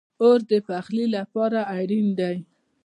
اور د پخلی لپاره اړین دی